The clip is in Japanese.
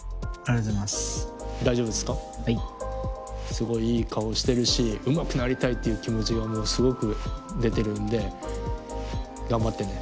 すごいいい顔してるしうまくなりたいっていう気持ちがすごく出てるんで頑張ってね。